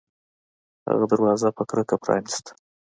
هغه دروازه په کرکه پرانیستله